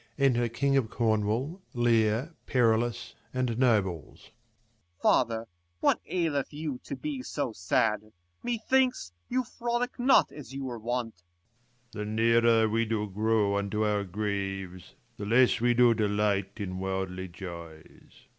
Enter king of Corn wall, Leir, Perillus, and nobles. Corn. OFatheiy what aileth you to be so sad ? Methinks, you frolic not as you were wont. Leir. The nearer we do grow unto our graves, The less we do delight in worldly joys.